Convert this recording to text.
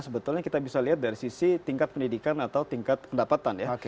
sebetulnya kita bisa lihat dari sisi tingkat pendidikan atau tingkat pendapatan ya